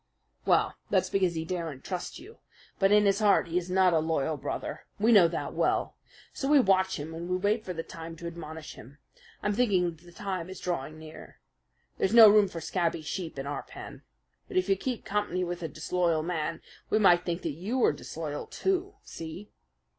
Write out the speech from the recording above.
"Well, that's because he daren't trust you. But in his heart he is not a loyal brother. We know that well. So we watch him and we wait for the time to admonish him. I'm thinking that the time is drawing near. There's no room for scabby sheep in our pen. But if you keep company with a disloyal man, we might think that you were disloyal, too. See?"